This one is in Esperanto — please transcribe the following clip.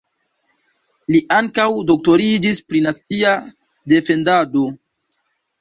Li ankaŭ doktoriĝis pri nacia defendado.